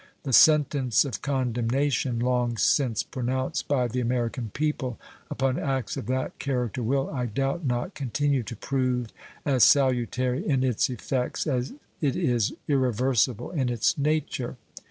The sentence of condemnation long since pronounced by the American people upon acts of that character will, I doubt not, continue to prove as salutary in its effects as it is irreversible in its nature.